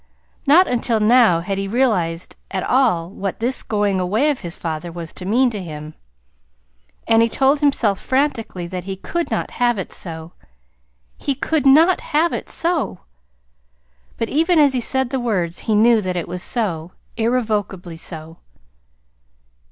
Not until now had he realized at all what this going away of his father was to mean to him. And he told himself frantically that he could not have it so. HE COULD NOT HAVE IT SO! But even as he said the words, he knew that it was so irrevocably so.